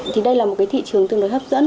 thì đây là một cái thị trường tương đối hấp dẫn